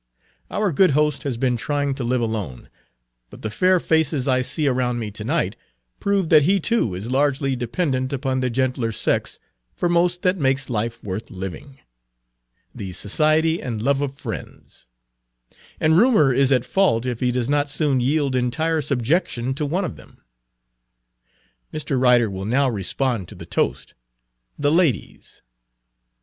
Our good host has been trying to live alone, but the fair faces I see around me to night prove that he too is largely dependent upon the gentler sex for most that makes life worth living, the society and love of friends, and rumor is at fault if he does not soon yield entire subjection to one of them. Mr. Ryder will now respond to the toast, The Ladies."